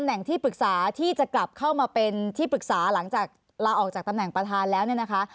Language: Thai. ่งที่ปรึกษาที่จะกลับเข้ามาเป็นที่ปรึกษาหลังจากลาออกจากตำแหน่งประธานแล้วเนี่ยนะคะ